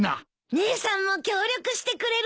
姉さんも協力してくれるんだ。